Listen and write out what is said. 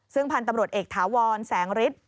ซึ่งผ่านตำรวจเอกถาวรแสงฤทธิ์